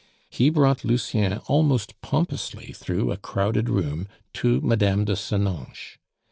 He brought Lucien almost pompously through a crowded room to Mme. de Senonches.